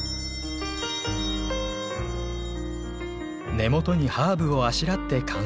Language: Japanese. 根元にハーブをあしらって完成。